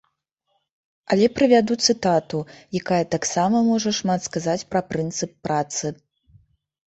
Але прывяду цытату, якая таксама можа шмат сказаць пра прынцып працы.